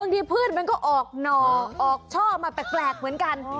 ที่พืชมันก็ออกหน่อออกช่อมาแปลกเหมือนกัน